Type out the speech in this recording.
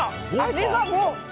味がもう。